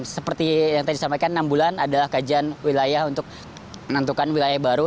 seperti yang tadi disampaikan enam bulan adalah kajian wilayah untuk menentukan wilayah baru